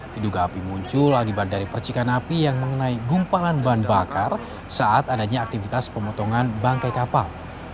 diduga api muncul akibat dari percikan api yang mengenai gumpangan bahan bakar saat adanya aktivitas pemotongan bangkai kapal